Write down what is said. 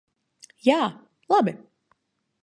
Jā, labi.